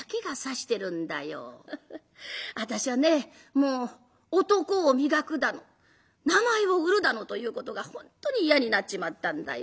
もう男を磨くだの名前を売るだのということが本当に嫌になっちまったんだよ。